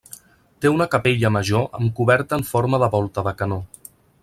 Té una capella major amb coberta en forma de volta de canó.